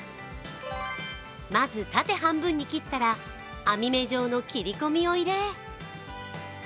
まず縦半分に切ったら網目状の切り込みを入れ